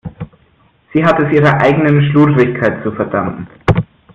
Sie hat es ihrer eigenen Schludrigkeit zu verdanken.